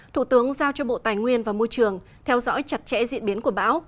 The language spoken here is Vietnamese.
thủ tướng giao cho bộ tài nguyên và môi trường theo dõi chặt chẽ diễn biến của bão